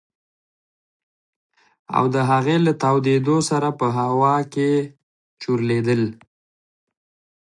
او د هغې له تاوېدو سره په هوا کښې چورلېدل.